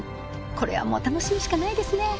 これはもう楽しむしかないですね